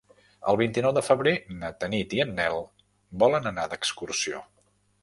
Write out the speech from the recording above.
El vint-i-nou de febrer na Tanit i en Nel volen anar d'excursió.